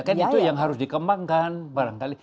kan itu yang harus dikembangkan barangkali